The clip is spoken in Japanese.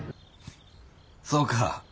そうか。